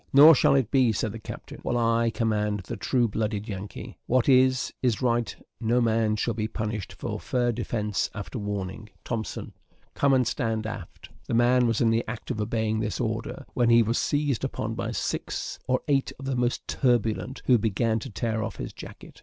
"Nor shall it be," said the captain, "while I command the True blooded Yankee; what is, is right; no man shall be punished for fair defence after warning. Thompson, come and stand aft." The man was in the act of obeying this order, when he was seized on by some six or eight of the most turbulent, who began to tear off his jacket.